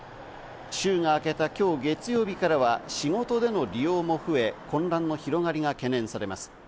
週が明けた今日月曜日からは、仕事での利用も増え、混乱も広がりが懸念されます。